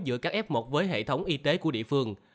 giữa các f một với hệ thống y tế của địa phương